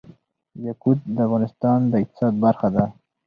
یاقوت د افغانستان د اقتصاد برخه ده.